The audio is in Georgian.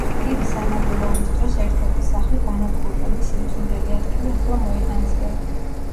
დიდი სამამულო ომის დროს ერთ-ერთი სახლი განადგურდა, მისი უწინდელი ადგილი ახლა მოედანზეა.